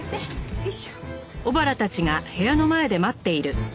よいしょっ。